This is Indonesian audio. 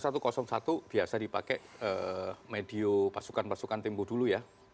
satu ratus satu biasa dipakai medio pasukan pasukan tembo dulu ya